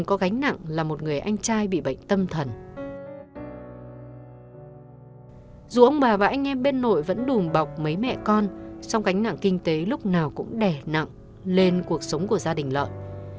cả anh em bên nội vẫn đùm bọc mấy mẹ con xong gánh nặng kinh tế lúc nào cũng đẻ nặng lên cuộc sống của gia đình lợi